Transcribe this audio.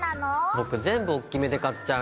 僕全部おっきめで買っちゃうの。